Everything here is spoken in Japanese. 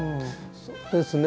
そうですね